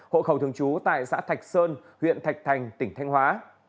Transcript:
hộ khẩu thường trú tại xã thạch sơn huyện thạch thành tỉnh thanh hóa